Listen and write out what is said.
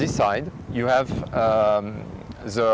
di sebelah ini kita memiliki